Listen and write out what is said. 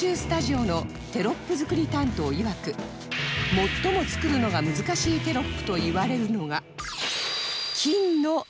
最も作るのが難しいテロップといわれるのが